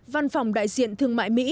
văn phòng đại diện thương mại mỹ